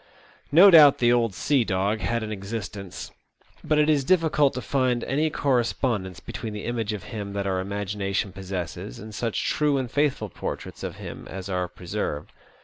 No doubt the old sea dog had an existence ; but it is difficult to find any correspondence between the image of him that our imagination possesses and such true and faithful portraits of him as are preserved.